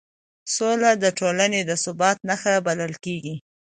سوله د ټولنې د ثبات نښه بلل کېږي